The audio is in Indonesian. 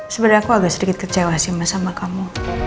sebenernya aku agak sedikit kecewa sih sama kamu